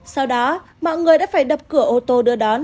sau đó mọi người đã phải đập cửa ô tô đưa đón